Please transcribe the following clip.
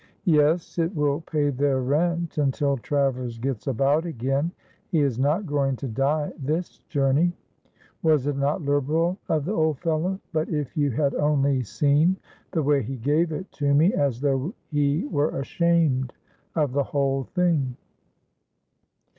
"Yes, it will pay their rent until Travers gets about again; he is not going to die this journey. Was it not liberal of the old fellow? but if you had only seen the way he gave it to me, as though he were ashamed of the whole thing.